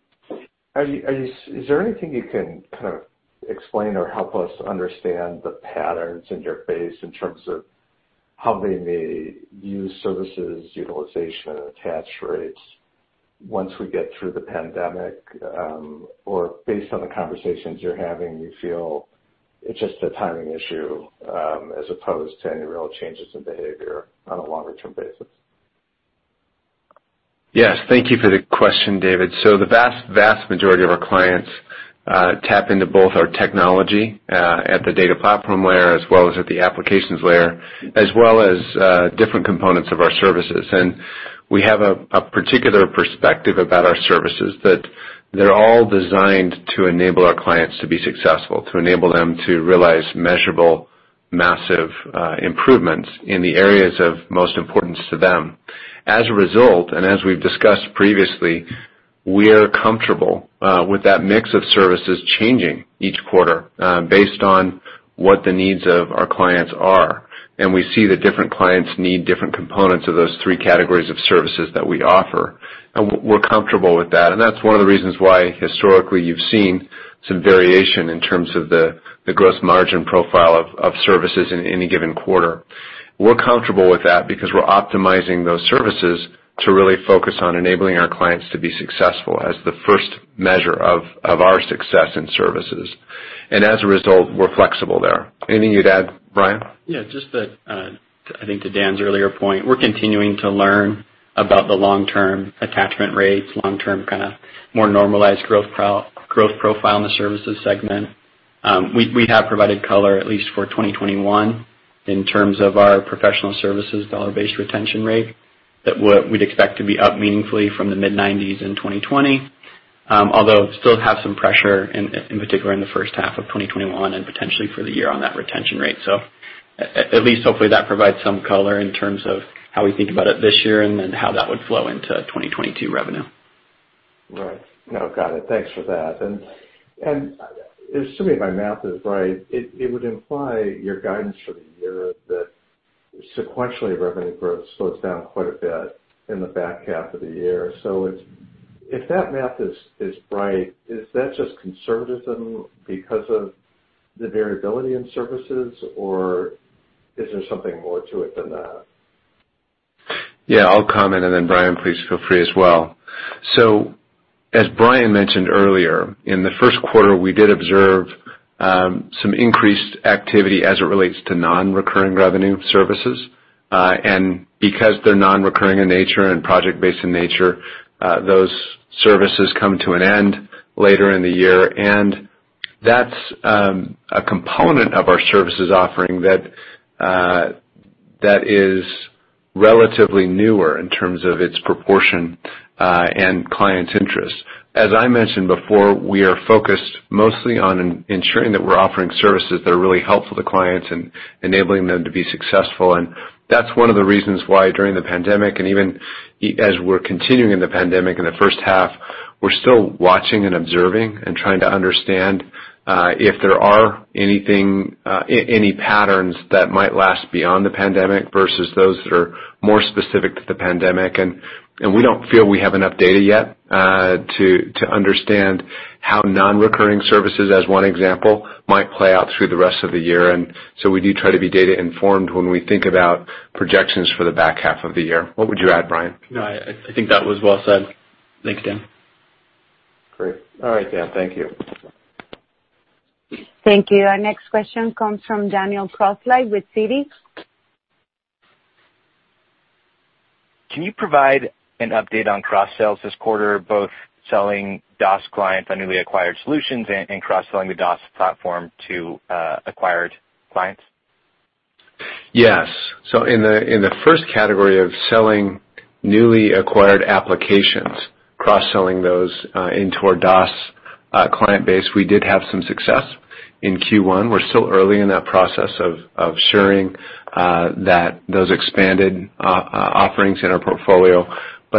there anything you can kind of explain or help us understand the patterns in your base in terms of how they may use services, utilization, attach rates once we get through the pandemic? Based on the conversations you're having you feel it's just a timing issue, as opposed to any real changes in behavior on a longer-term basis? Yes. Thank you for the question, David. The vast majority of our clients tap into both our technology, at the data platform layer, as well as at the applications layer, as well as different components of our services. We have a particular perspective about our services that they're all designed to enable our clients to be successful, to enable them to realize measurable, massive improvements in the areas of most importance to them. As a result, and as we've discussed previously, we're comfortable with that mix of services changing each quarter, based on what the needs of our clients are. We see that different clients need different components of those three categories of services that we offer. We're comfortable with that, and that's one of the reasons why, historically, you've seen some variation in terms of the gross margin profile of services in any given quarter. We're comfortable with that because we're optimizing those services to really focus on enabling our clients to be successful as the first measure of our success in services. As a result, we're flexible there. Anything you'd add, Bryan? Yeah, just that, I think to Dan's earlier point, we're continuing to learn about the long-term attachment rates, long-term kind of more normalized growth profile in the services segment. We have provided color at least for 2021 in terms of our professional services dollar-based retention rate that we'd expect to be up meaningfully from the mid-90s in 2020. Although still have some pressure in particular in the first half of 2021 and potentially for the year on that retention rate. At least hopefully that provides some color in terms of how we think about it this year and then how that would flow into 2022 revenue. Right. No, got it. Thanks for that. Assuming my math is right, it would imply your guidance for the year that sequentially revenue growth slows down quite a bit in the back half of the year. If that math is right, is that just conservatism because of the variability in services, or is there something more to it than that? I'll comment. Bryan, please feel free as well. As Bryan mentioned earlier, in the first quarter, we did observe some increased activity as it relates to non-recurring revenue services. Because they're non-recurring in nature and project-based in nature, those services come to an end later in the year. That's a component of our services offering that is relatively newer in terms of its proportion and client interest. As I mentioned before, we are focused mostly on ensuring that we're offering services that are really helpful to clients and enabling them to be successful. That's one of the reasons why during the pandemic, and even as we're continuing in the pandemic in the first half, we're still watching and observing and trying to understand if there are any patterns that might last beyond the pandemic versus those that are more specific to the pandemic. We don't feel we have enough data yet to understand how non-recurring services, as one example, might play out through the rest of the year. We do try to be data informed when we think about projections for the back half of the year. What would you add, Bryan? No, I think that was well said. Thank you, Dan. Great. All right, Dan. Thank you. Thank you. Our next question comes from Daniel Grosslight with Citi. Can you provide an update on cross-sales this quarter, both selling DOS clients on newly acquired solutions and cross-selling the DOS platform to acquired clients? Yes. In the first category of selling newly acquired applications, cross-selling those into our DOS client base, we did have some success in Q1. We're still early in that process of sharing those expanded offerings in our portfolio.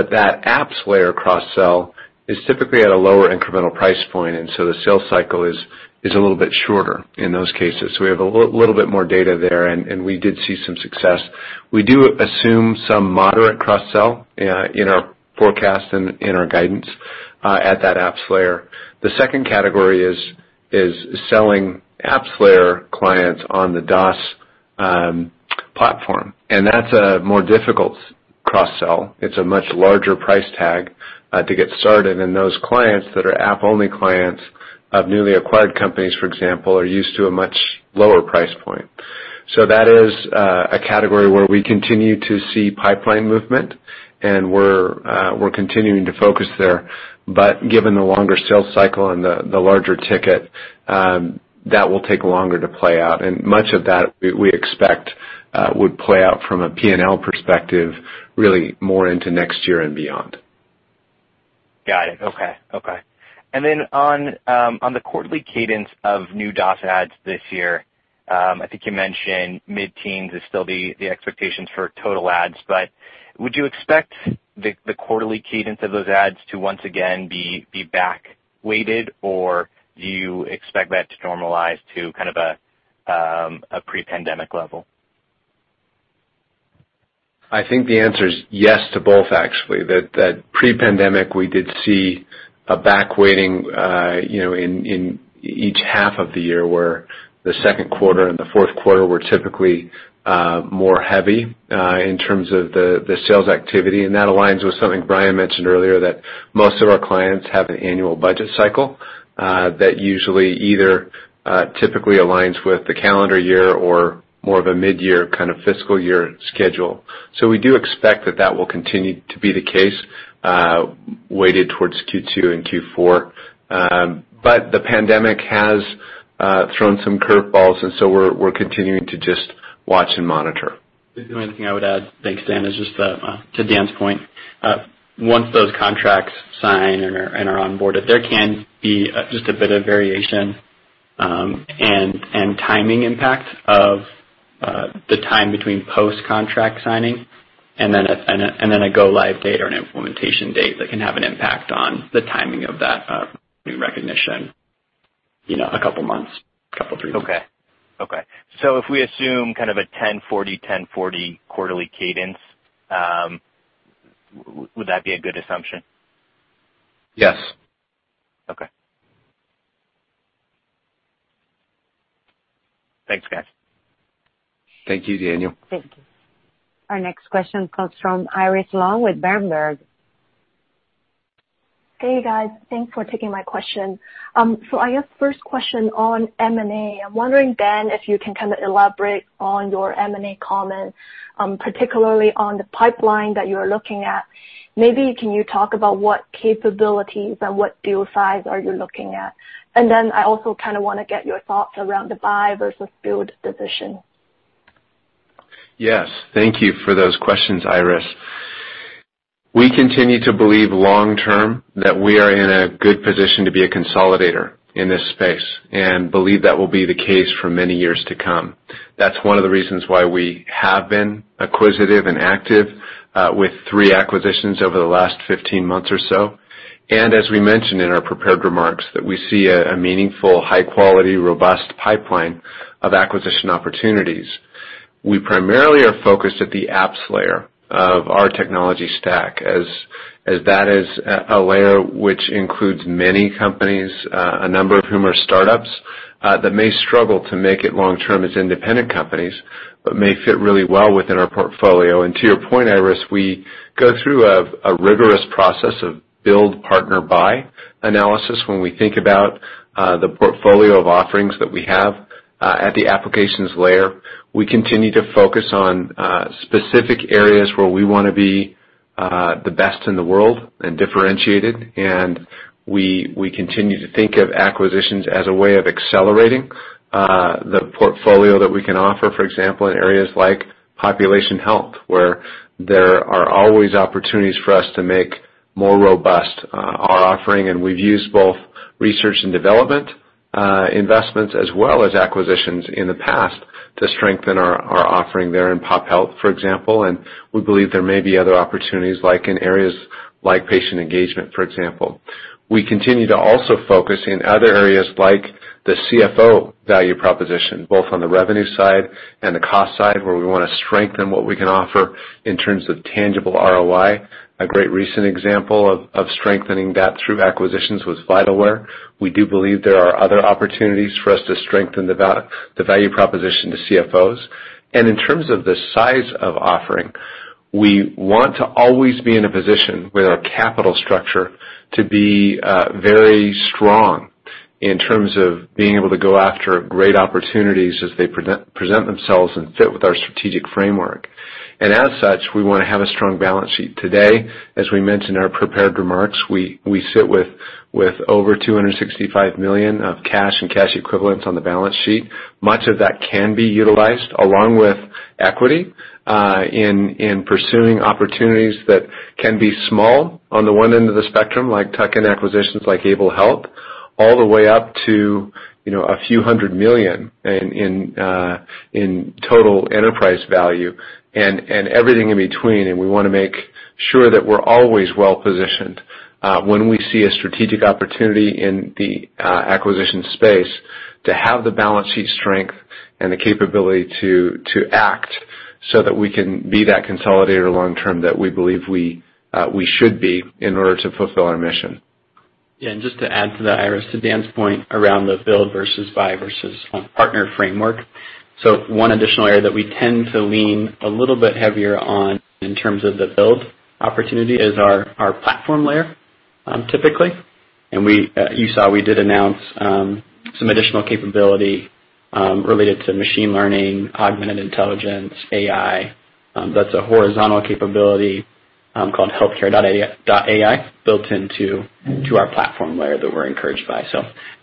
That apps layer cross-sell is typically at a lower incremental price point, the sales cycle is a little bit shorter in those cases. We have a little bit more data there, and we did see some success. We do assume some moderate cross-sell in our forecast and in our guidance at that apps layer. The second category is selling apps layer clients on the DOS platform. That's a more difficult cross-sell. It's a much larger price tag to get started. Those clients that are app-only clients of newly acquired companies, for example, are used to a much lower price point. That is a category where we continue to see pipeline movement, and we're continuing to focus there. Given the longer sales cycle and the larger ticket, that will take longer to play out. Much of that we expect would play out from a P&L perspective really more into next year and beyond. Got it. Okay. On the quarterly cadence of new DOS adds this year, I think you mentioned mid-teens is still the expectations for total adds, would you expect the quarterly cadence of those adds to once again be back weighted, or do you expect that to normalize to kind of a pre-pandemic level? I think the answer is yes to both actually. That pre-pandemic, we did see a back-weighting, in each half of the year, where the second quarter and the fourth quarter were typically more heavy, in terms of the sales activity. That aligns with something Bryan mentioned earlier, that most of our clients have an annual budget cycle, that usually either, typically aligns with the calendar year or more of a mid-year kind of fiscal year schedule. We do expect that that will continue to be the case, weighted towards Q2 and Q4. The pandemic has thrown some curveballs, we're continuing to just watch and monitor. The only thing I would add, thanks, Dan, is just to Dan's point. Once those contracts sign and are onboarded, there can be just a bit of variation, and timing impact of the time between post-contract signing and then a go-live date or an implementation date that can have an impact on the timing of that new recognition, a couple months, couple three months. Okay. If we assume kind of a 10/40/10/40 quarterly cadence, would that be a good assumption? Yes. Okay. Thanks, guys. Thank you, Daniel. Thank you. Our next question comes from Iris Long with Berenberg. Hey, guys. Thanks for taking my question. I guess first question on M&A. I'm wondering, Dan, if you can kind of elaborate on your M&A comments, particularly on the pipeline that you're looking at. Maybe can you talk about what capabilities and what deal size are you looking at? I also kind of want to get your thoughts around the buy versus build decision. Yes. Thank you for those questions, Iris. We continue to believe long term that we are in a good position to be a consolidator in this space and believe that will be the case for many years to come. That's one of the reasons why we have been acquisitive and active, with three acquisitions over the last 15 months or so. As we mentioned in our prepared remarks, that we see a meaningful, high quality, robust pipeline of acquisition opportunities. We primarily are focused at the apps layer of our technology stack as that is a layer which includes many companies, a number of whom are startups, that may struggle to make it long term as independent companies, but may fit really well within our portfolio. To your point, Iris, we go through a rigorous process of build, partner, buy analysis when we think about the portfolio of offerings that we have at the applications layer. We continue to focus on specific areas where we want to be the best in the world and differentiated. We continue to think of acquisitions as a way of accelerating the portfolio that we can offer, for example, in areas like population health, where there are always opportunities for us to make more robust our offering. We've used both research and development investments as well as acquisitions in the past to strengthen our offering there in pop health, for example. We believe there may be other opportunities like in areas like patient engagement, for example. We continue to also focus in other areas like the CFO value proposition, both on the revenue side and the cost side, where we want to strengthen what we can offer in terms of tangible ROI. A great recent example of strengthening that through acquisitions was Vitalware. We do believe there are other opportunities for us to strengthen the value proposition to CFOs. In terms of the size of offering, we want to always be in a position with our capital structure to be very strong in terms of being able to go after great opportunities as they present themselves and fit with our strategic framework. As such, we want to have a strong balance sheet. Today, as we mentioned in our prepared remarks, we sit with over $265 million of cash and cash equivalents on the balance sheet. Much of that can be utilized along with equity, in pursuing opportunities that can be small on the one end of the spectrum, like tuck-in acquisitions, like Able Health, all the way up to a few hundred million in total enterprise value and everything in between. We want to make sure that we're always well-positioned, when we see a strategic opportunity in the acquisition space to have the balance sheet strength and the capability to act so that we can be that consolidator long term that we believe we should be in order to fulfill our mission. Yeah. Just to add to that, Iris, to Dan's point around the build versus buy versus partner framework. One additional area that we tend to lean a little bit heavier on in terms of the build opportunity is our platform layer, typically. You saw we did announce some additional capability related to machine learning, augmented intelligence, AI. That's a horizontal capability, called Healthcare.AI, built into our platform layer that we're encouraged by.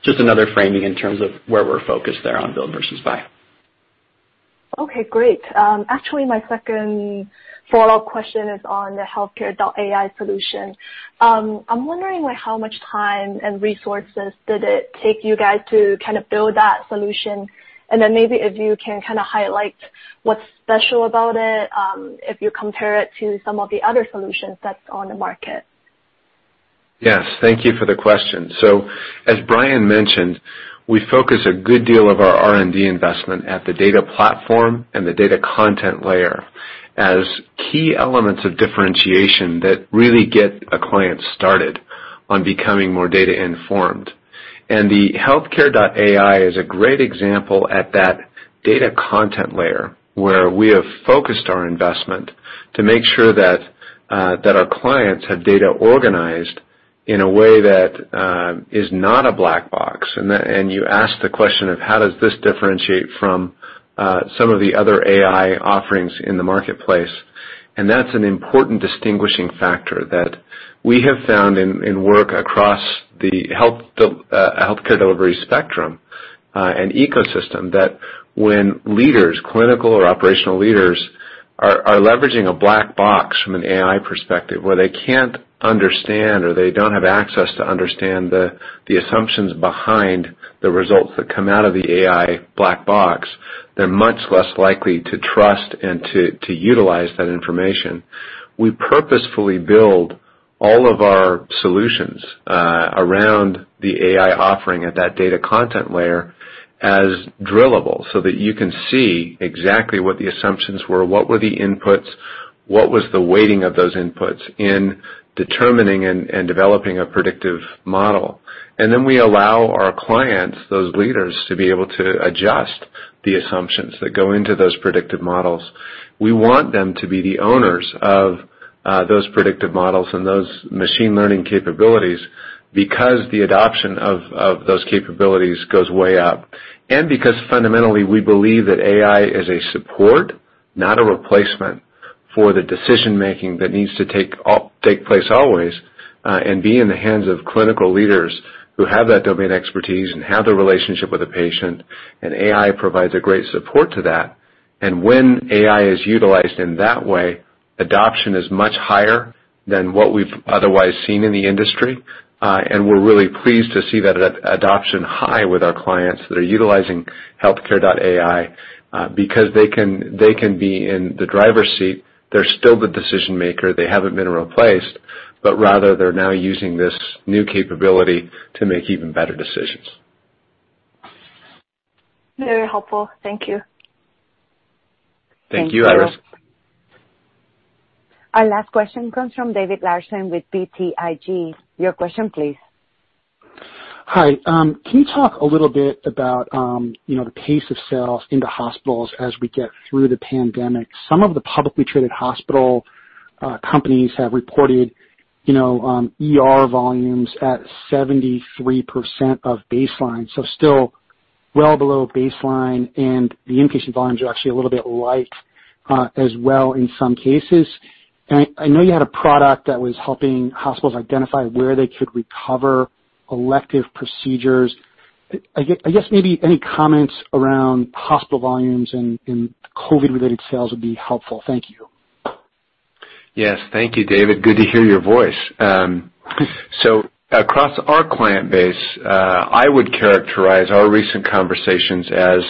Just another framing in terms of where we're focused there on build versus buy. Okay, great. Actually, my second follow-up question is on the Healthcare.AI solution. I'm wondering how much time and resources did it take you guys to build that solution? And then maybe if you can highlight what's special about it, if you compare it to some of the other solutions that's on the market. Yes, thank you for the question. As Bryan mentioned, we focus a good deal of our R&D investment at the data platform and the data content layer as key elements of differentiation that really get a client started on becoming more data informed. The Healthcare.AI is a great example at that data content layer, where we have focused our investment to make sure that our clients have data organized in a way that is not a black box. You asked the question of how does this differentiate from some of the other AI offerings in the marketplace, and that's an important distinguishing factor that we have found in work across the healthcare delivery spectrum, and ecosystem that when leaders, clinical or operational leaders, are leveraging a black box from an AI perspective, where they can't understand or they don't have access to understand the assumptions behind the results that come out of the AI black box, they're much less likely to trust and to utilize that information. We purposefully build all of our solutions around the AI offering at that data content layer as drillable so that you can see exactly what the assumptions were, what were the inputs, what was the weighting of those inputs in determining and developing a predictive model. We allow our clients, those leaders, to be able to adjust the assumptions that go into those predictive models. We want them to be the owners of those predictive models and those machine learning capabilities because the adoption of those capabilities goes way up. Because fundamentally we believe that AI is a support, not a replacement, for the decision making that needs to take place always, and be in the hands of clinical leaders who have that domain expertise and have the relationship with the patient, and AI provides a great support to that. When AI is utilized in that way, adoption is much higher than what we've otherwise seen in the industry. We're really pleased to see that adoption high with our clients that are utilizing Healthcare.Ai because they can be in the driver's seat. They're still the decision maker. They haven't been replaced, but rather they're now using this new capability to make even better decisions. Very helpful. Thank you. Thank you, Iris. Thank you. Our last question comes from David Larsen with BTIG. Your question please. Hi. Can you talk a little bit about the pace of sales into hospitals as we get through the pandemic? Some of the publicly traded hospital companies have reported ER volumes at 73% of baseline, so still well below baseline, and the inpatient volumes are actually a little bit light as well in some cases. I know you had a product that was helping hospitals identify where they could recover elective procedures. I guess maybe any comments around hospital volumes and COVID related sales would be helpful. Thank you. Yes. Thank you, David. Good to hear your voice. Across our client base, I would characterize our recent conversations as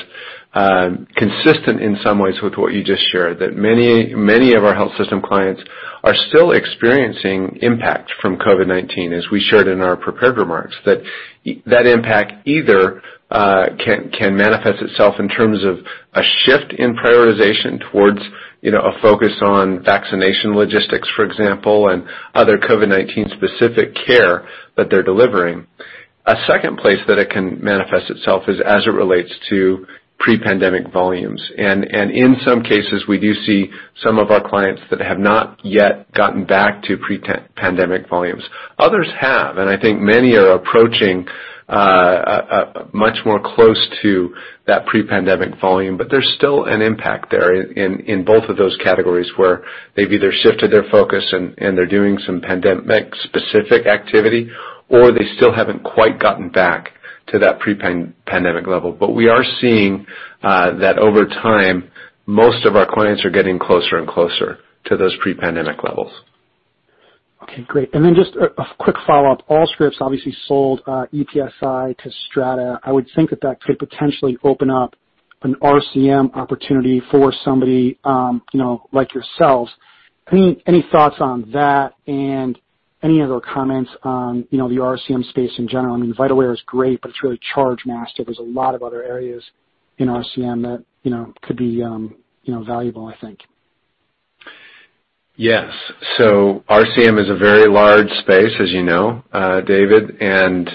consistent in some ways with what you just shared, that many of our health system clients are still experiencing impact from COVID-19, as we shared in our prepared remarks. That impact either can manifest itself in terms of a shift in prioritization towards a focus on vaccination logistics, for example, and other COVID-19 specific care that they're delivering. A second place that it can manifest itself is as it relates to pre-pandemic volumes. In some cases, we do see some of our clients that have not yet gotten back to pre-pandemic volumes. Others have, I think many are approaching much more close to that pre-pandemic volume. There's still an impact there in both of those categories where they've either shifted their focus and they're doing some pandemic-specific activity, or they still haven't quite gotten back to that pre-pandemic level. We are seeing that over time, most of our clients are getting closer and closer to those pre-pandemic levels. Okay, great. Just a quick follow-up. Allscripts obviously sold EPSi to Strata. I would think that that could potentially open up an RCM opportunity for somebody like yourselves. Any thoughts on that and any other comments on the RCM space in general? I mean, Vitalware is great, but it's really Chargemaster. There is a lot of other areas in RCM that could be valuable, I think. Yes. RCM is a very large space, as you know, David, and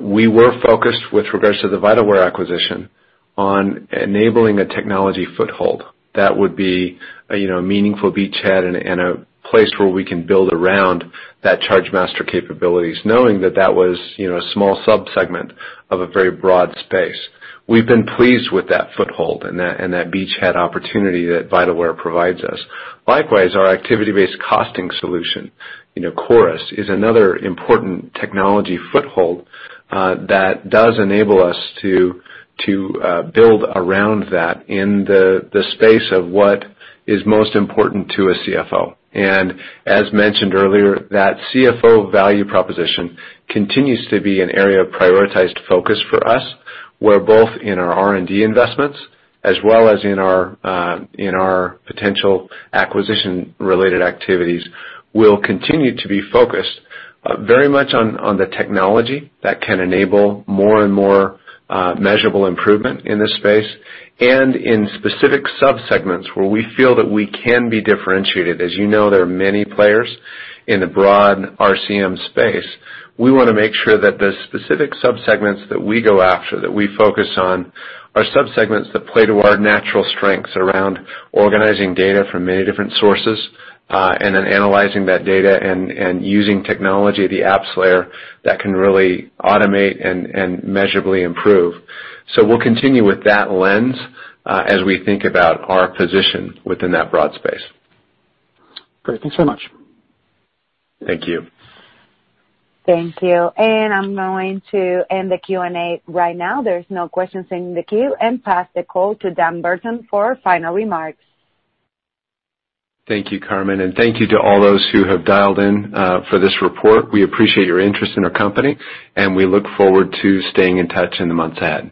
we were focused with regards to the Vitalware acquisition on enabling a technology foothold that would be a meaningful beachhead and a place where we can build around that Chargemaster capabilities, knowing that that was a small sub-segment of a very broad space. We've been pleased with that foothold and that beachhead opportunity that Vitalware provides us. Likewise, our activity-based costing solution, Corus is another important technology foothold that does enable us to build around that in the space of what is most important to a CFO. As mentioned earlier, that CFO value proposition continues to be an area of prioritized focus for us, where both in our R&D investments, as well as in our potential acquisition related activities, will continue to be focused very much on the technology that can enable more and more measurable improvement in this space, and in specific sub-segments where we feel that we can be differentiated. As you know, there are many players in the broad RCM space. We want to make sure that the specific sub-segments that we go after, that we focus on, are sub-segments that play to our natural strengths around organizing data from many different sources, and then analyzing that data and using technology, the apps layer, that can really automate and measurably improve. We'll continue with that lens as we think about our position within that broad space. Great. Thanks so much. Thank you. Thank you. I'm going to end the Q&A right now. There's no questions in the queue, and pass the call to Dan Burton for final remarks. Thank you, Carmen. Thank you to all those who have dialed in for this report. We appreciate your interest in our company. We look forward to staying in touch in the months ahead.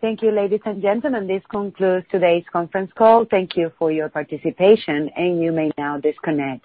Thank you, ladies and gentlemen. This concludes today's conference call. Thank you for your participation, and you may now disconnect.